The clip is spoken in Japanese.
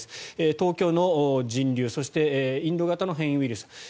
東京の人流そしてインド型の変異ウイルス